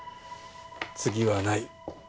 次はない。